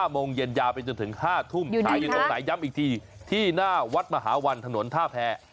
๕โมงเย็นยาไปจนถึง๕ทุ่มวัดมหาวันถนนท่าแภ